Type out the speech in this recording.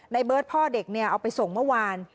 เบิร์ตพ่อเด็กเนี่ยเอาไปส่งเมื่อวาน